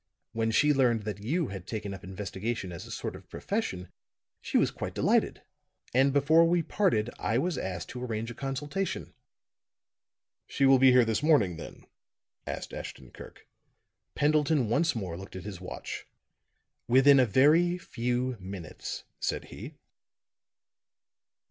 When she learned that you had taken up investigation as a sort of profession, she was quite delighted, and before we parted I was asked to arrange a consultation." "She will be here this morning, then?" asked Ashton Kirk. Pendleton once more looked at his watch. "Within a very few minutes," said he.